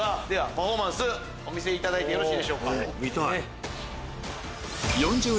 パフォーマンスお見せいただいてよろしいでしょうか。